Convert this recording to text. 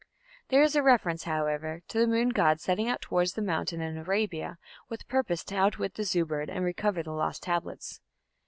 There is a reference, however, to the moon god setting out towards the mountain in Arabia with purpose to outwit the Zu bird and recover the lost Tablets.